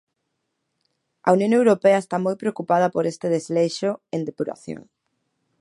A Unión Europea está moi preocupada por este desleixo en depuración.